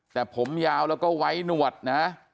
แต่ผมยาวแล้วก็ไว้หนวดนะ